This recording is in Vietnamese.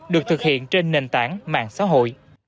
được thực hiện trên nền tảng mạng xã hội